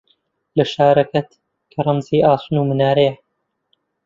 لە شارەکەت، کە ڕەمزی ئاسن و منارەیە